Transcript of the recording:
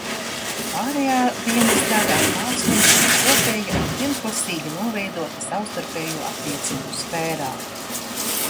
Pārējā dienas daļa ar Pārsliņu bija kopēja un pirmklasīgi noveidota savstarpējo attiecību sfērā.